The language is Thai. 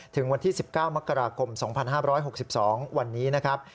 ถึงวันที่๑๙มกราคม๒๕๖๒วันนี้นะครับ